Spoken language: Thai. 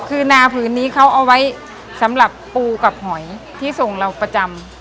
คือนาผืนนี้เขาเอาไว้สำหรับปูกับหอยที่ส่งเราประจำ